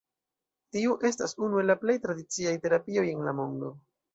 Tiu estas unu el la plej tradiciaj terapioj en la mondo.